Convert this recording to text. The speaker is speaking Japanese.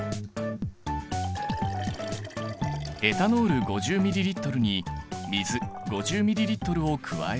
エタノール５０ｍＬに水５０ｍＬを加えると。